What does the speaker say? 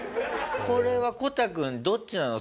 これはこたくんどっちなの？